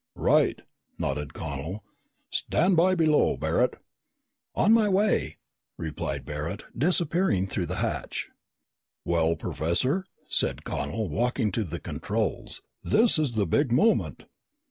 "Right," nodded Connel. "Stand by below, Barret." "On my way," replied Barret, disappearing through the hatch. "Well, Professor," said Connel, walking to the controls, "this is the big moment!"